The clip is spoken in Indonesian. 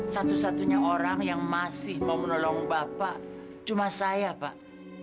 satu satunya orang yang masih mau menolong bapak cuma saya pak